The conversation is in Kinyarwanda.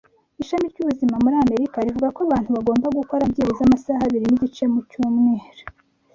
Ishami ry’ubuzima muri Amerika rivuga ko abantu bagomba gukora byibuze amasaha abiri nigice mu cyumweru.